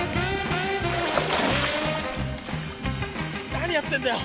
何やってんだよ？